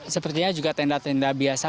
sepertinya juga tenda tenda biasa